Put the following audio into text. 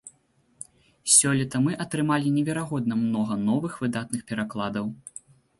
Сёлета мы атрымалі неверагодна многа новых выдатных перакладаў.